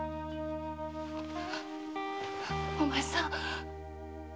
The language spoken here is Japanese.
お前さん。